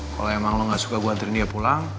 kalau emang lo gak suka gue anterin dia pulang